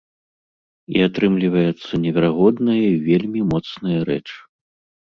І атрымліваецца неверагодная й вельмі моцная рэч.